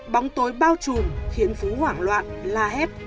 bóng tối bao trùm khiến phú hoảng loạn la hét